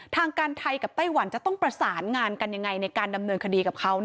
ทางการไทยกับไต้หวันจะต้องประสานงานกันยังไงในการดำเนินคดีกับเขา